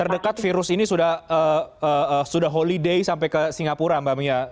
terdekat virus ini sudah holiday sampai ke singapura mbak mia